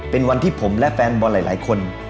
เป็นวันที่ผมและแฟนบอลหลายคน